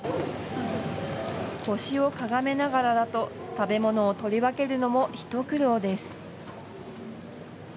腰をかがめながらだと食べ物を取り分けるのも一苦労です。